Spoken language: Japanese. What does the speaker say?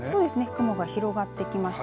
雲が広がってきました。